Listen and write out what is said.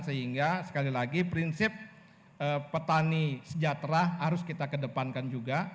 sehingga sekali lagi prinsip petani sejahtera harus kita kedepankan juga